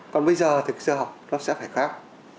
còn bây giờ thì giờ học nó sẽ phải khác